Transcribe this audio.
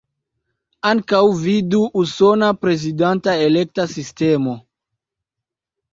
Ankaŭ vidu Usona Prezidanta Elekta Sistemo.